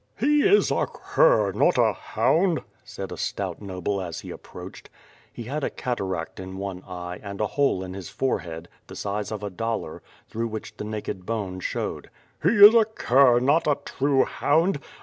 "He is a cur, not a hound!" said a stout noble as he ap proached. He had a cataract in one eye, and a hole in his forehead, iihe size of a dollar, through which the naked bone showed. "He is a cur, not a true hound.